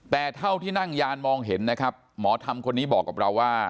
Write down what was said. แต่เท่าที่นั่งยานมองเห็นนะครับหมอธรรมคนนี้บอกกับเราว่า